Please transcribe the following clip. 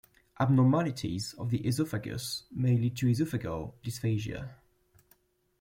Abnormalities of the esophagus may lead to esophageal dysphagia.